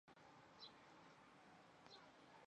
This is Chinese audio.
布雷昂人口变化图示